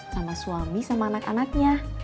sama suami sama anak anaknya